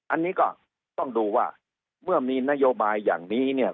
อันนี้ก็ต้องดูว่าเมื่อมีนโยบายอย่างนี้เนี่ย